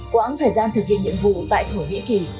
quãng thời gian thực hiện nhiệm vụ tại thổ nhĩ kỳ